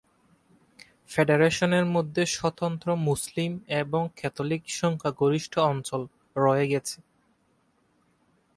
ফেডারেশনের মধ্যে, স্বতন্ত্র মুসলিম এবং ক্যাথলিক সংখ্যাগরিষ্ঠ অঞ্চল রয়ে গেছে।